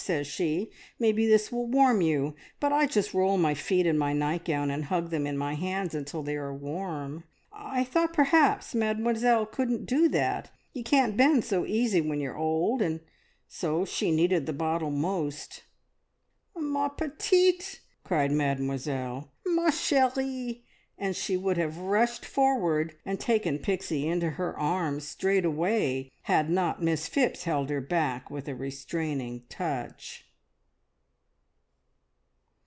says she, `maybe this will warm you,' but I just roll my feet in my nightgown and hug them in my hands until they are warm. I thought perhaps Mademoiselle couldn't do that. Ye can't bend so easy when you're old, so she needed the bottle most." "Ma petite!" cried Mademoiselle. "Ma cherie!" and she would have rushed forward and taken Pixie into her arms straight away, had not Miss Phipps held her back with a restraining touch.